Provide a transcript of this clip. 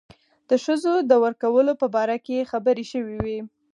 د ښځو د ورکولو په باره کې خبرې شوې وې.